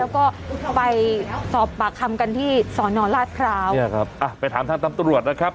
แล้วก็ไปสอบปากคำกันที่สอนอราชพร้าวเนี่ยครับอ่ะไปถามทางตำรวจนะครับ